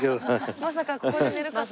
まさかここで寝るかと思った。